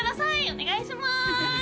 お願いします